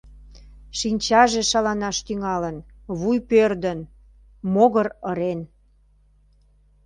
Шинчаже шаланаш тӱҥалын, вуй пӧрдын, могыр ырен.